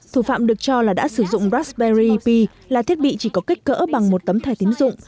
thủ phạm được cho là đã sử dụng raspberry pi là thiết bị chỉ có kích cỡ bằng một tấm thải tín dụng